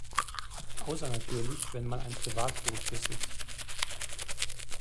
Außer natürlich wenn man ein Privatboot besitzt.